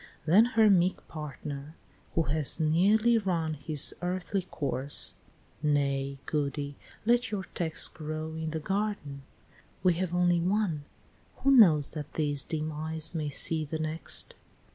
Then her meek partner, who has nearly run His earthly course, "Nay, Goody, let your text Grow in the garden. We have only one Who knows that these dim eyes may see the next?